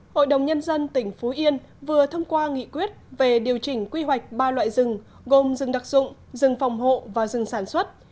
hội đồng nhân dân tỉnh phú yên vừa thông qua nghị quyết về điều chỉnh quy hoạch ba loại rừng gồm rừng đặc dụng rừng phòng hộ và rừng sản xuất